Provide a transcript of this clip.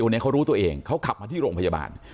นี้เขารู้ตัวเองเขาขับมาที่โรงพยาบาล